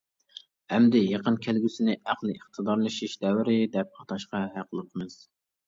ئەمدى يېقىن كەلگۈسىنى ئەقلىي ئىقتىدارلىشىش دەۋرى دەپ ئاتاشقا ھەقلىقمىز.